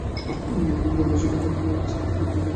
দেশের মোট রপ্তানি আয়ের চার ভাগের তিন ভাগই আসে পোশাক খাত থেকে।